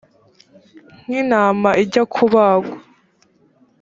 nk intama ijya kubagwa